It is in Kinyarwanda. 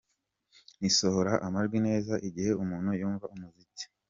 Ntisohora amajwi neza igihe umuntu yumva umuziki.